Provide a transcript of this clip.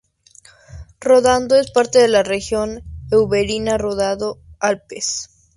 Ródano es parte de la región Auvernia-Ródano-Alpes.